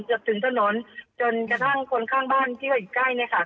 จนถึงถนนจนกระทั่งคนข้างบ้านที่เขาอยู่ใกล้เนี่ยค่ะ